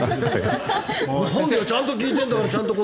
なんでだよちゃんと聞いてるんだから！